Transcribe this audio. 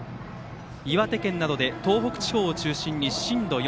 岩手県などで東北地方を中心に震度４。